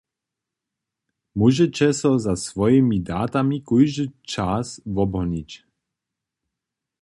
Móžeće so za swojimi datami kóždy čas wobhonić.